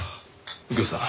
右京さん。